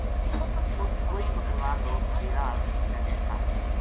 اُت کوئی بکروال لوک ڈیرا لَدے تھا